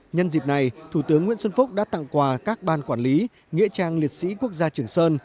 nhân dịp này thủ tướng nguyễn xuân phúc đã tặng quà các ban quản lý nghĩa trang liệt sĩ quốc gia trường sơn